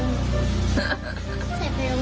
นี่เอาสักทีไปนี่